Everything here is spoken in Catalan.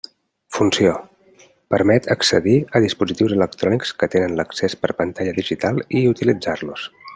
Funció: permet accedir a dispositius electrònics que tenen l'accés per pantalla digital i utilitzar-los.